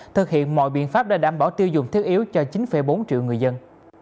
thực hiện mọi biện pháp để đảm bảo tiêu dùng thiết yếu cho chín bốn triệu người dân